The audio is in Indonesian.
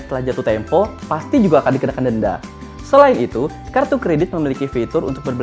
telah jatuh tempo pasti juga akan dikenakan denda selain itu kartu kredit memiliki fitur untuk